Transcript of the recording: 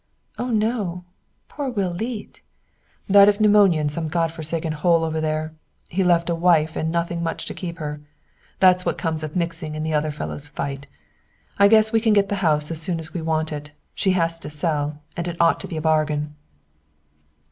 "Oh, no! Poor Will Leete." "Died of pneumonia in some God forsaken hole over there. He's left a wife and nothing much to keep her. That's what comes of mixing in the other fellow's fight. I guess we can get the house as soon as we want it. She has to sell; and it ought to be a bargain."